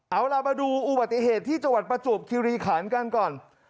เอาล่ะมาดูอุบัติเหตุที่จังหวัดประจวบคิริขันกันก่อน